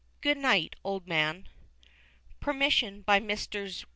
Good night, old man. (By permission of MESSRS.